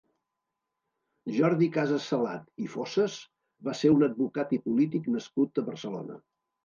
Jordi Casas-Salat i Fossas va ser un advocat i polític nascut a Barcelona.